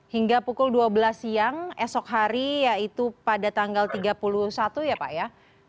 hingga pukul dua belas siang esok hari yaitu pada tanggal tiga puluh satu ya pak ya